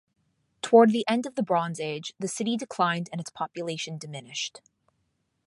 Toward the end of the Bronze Age, the city declined and its population diminished.